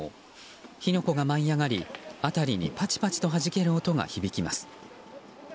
火の粉が舞い上がり辺りにパチパチとはじける音が響きます。